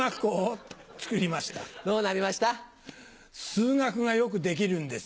数学がよくできるんです。